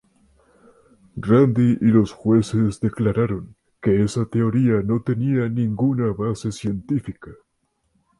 Randi y los jueces declararon que esa teoría no tenía ninguna base científica.